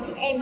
tại gia đình